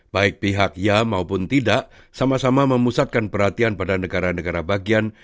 baik pihak ya maupun tidak sama sama memusatkan perhatian pada negara negara bagian